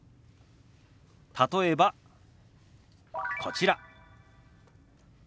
例えばこちら。